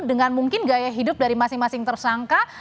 dengan mungkin gaya hidup dari masing masing tersangka